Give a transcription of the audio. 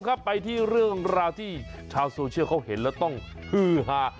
ครับไปที่เรื่องราวที่ชาวโซเชียลเขาเห็นแล้วต้องฮือฮา